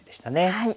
はい。